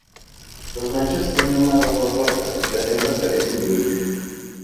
Los machos tienen una barba corta y las hembras carecen de ella.